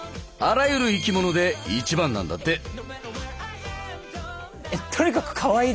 あらゆる生き物で一番なんだって。